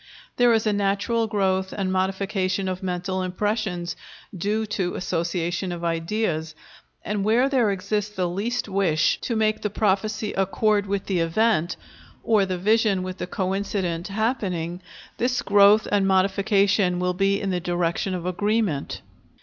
There is a natural growth and modification of mental impressions, due to association of ideas, and where there exists the least wish to make the prophecy accord with the event, or the vision with the coincident happening, this growth and modification will be in the direction of agreement.